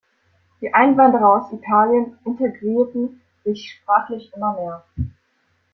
Die Einwanderer aus Italien integrieren sich sprachlich immer mehr.